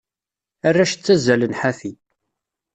Arrac ttazallen ḥafi.